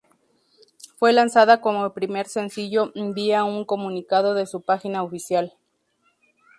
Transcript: Fue lanzada como primer sencillo vía un comunicado de su página oficial.